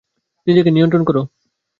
নিজেকে নিয়ন্ত্রণ করো।